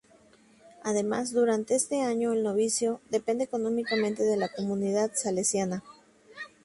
Además durante este año el "Novicio" depende económicamente de la Comunidad Salesiana.